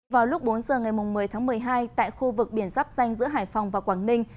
vào lúc bốn giờ ngày một mươi tháng một mươi hai tại khu vực biển dắp danh giữa hải phòng và quảng ninh